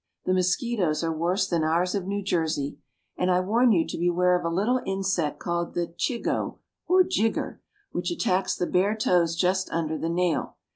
The mosquitoes are worse than ours of New Jersey, and I warn you to beware of a little insect called the chigoe, or jigger, which attacks the bare toes just under the nail.